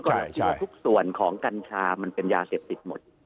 เชื้อทุกส่วนของกัญชามันเป็นยาเสพติดหมด